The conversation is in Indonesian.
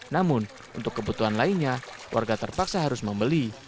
namun untuk kebutuhan lainnya warga terpaksa harus membeli